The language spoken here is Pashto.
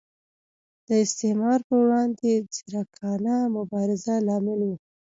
د استعمار پر وړاندې ځیرکانه مبارزه لامل و.